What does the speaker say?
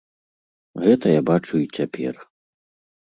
Гэта я бачу і цяпер.